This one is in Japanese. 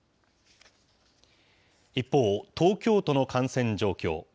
一方、東京都の感染状況。